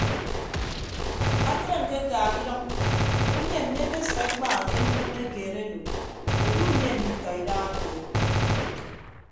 Akịd ñkekaaha idʌñ unie mmi ekesʌk ekpaha ke mbume keed ado udu unie nditọ idahake.